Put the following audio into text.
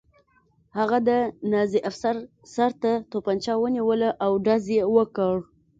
هغه د نازي افسر سر ته توپانچه ونیوله او ډز یې وکړ